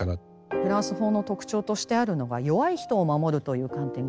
フランス法の特徴としてあるのが弱い人を守るという観点があります。